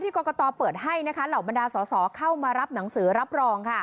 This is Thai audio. กรกตเปิดให้เหล่าบรรดาสอสอเข้ามารับหนังสือรับรอง